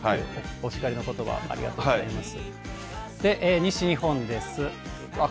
お叱りのことばをありがとうございます。